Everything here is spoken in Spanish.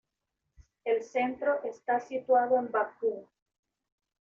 El centro está situado en Bakú.